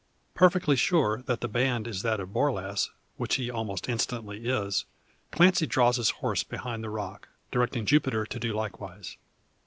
Perfectly sure that the band is that of Borlasse, which he almost instantly is, Clancy draws his horse behind the rock, directing Jupiter to do likewise.